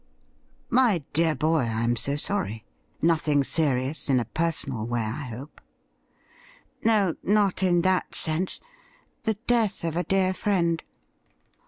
' My dear boy, I am so sorry ! Nothing serious in a personal way, I hope .''''' No, not in that sense. The death of a dear friend.'